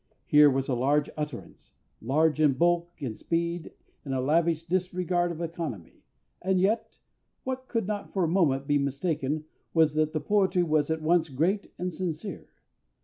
Here was a large utterance large in bulk, in speed, in a lavish disregard of economy, and yet, what could not for a moment be mistaken was that the poetry was at once great and sincere.